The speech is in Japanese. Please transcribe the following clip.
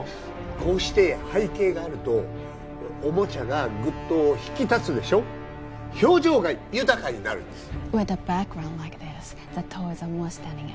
こうして背景があるとおもちゃがグッと引き立つでしょ表情が豊かになるんです